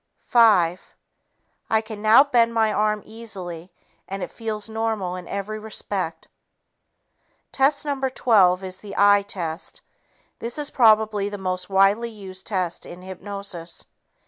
Five ... I can now bend my arm easily and it feels normal in every respect." Test No. 12 is the "eye" test. This is probably the most widely used test in hypnosis.